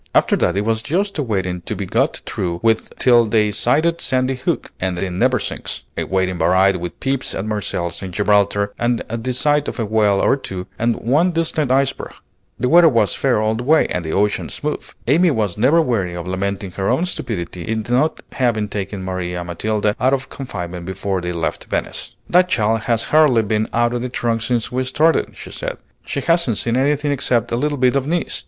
After that it was just a waiting to be got through with till they sighted Sandy Hook and the Neversinks, a waiting varied with peeps at Marseilles and Gibraltar and the sight of a whale or two and one distant iceberg. The weather was fair all the way, and the ocean smooth. Amy was never weary of lamenting her own stupidity in not having taken Maria Matilda out of confinement before they left Venice. "That child has hardly been out of the trunk since we started," she said. "She hasn't seen anything except a little bit of Nice.